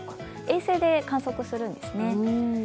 衛星で観測するんですね。